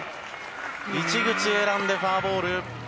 市口、選んでフォアボール。